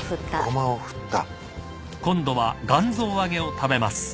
ゴマを振った。